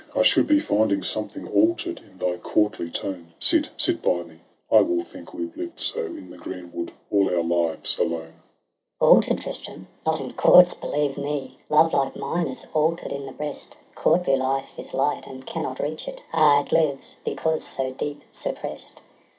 I should be finding Something alter'd in thy courtly tone. Sit — sit by me ! I will think, we've lived so In the green wood, all our lives, alone. Iseult, Alter'd, Tristram? Not in courts, believe me, Love like mine is alter'd in the breast; Courtly life is light and cannot reach it — Ah! it lives, because so deep suppress'd